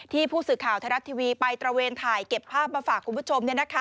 ผู้สื่อข่าวไทยรัฐทีวีไปตระเวนถ่ายเก็บภาพมาฝากคุณผู้ชม